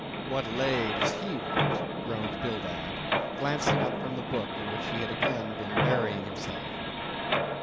"What lay does he want?" groaned Bildad, glancing up from the book in which he had again been burying himself.